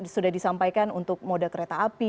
sudah disampaikan untuk moda kereta api